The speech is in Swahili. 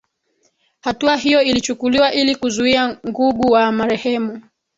Hatua hiyo ilichukuliwa ili kuzuia ngugu wa marehemu